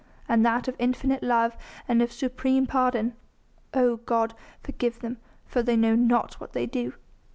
and that of infinite love and of supreme pardon: "Oh God, forgive them, for they know not what they do."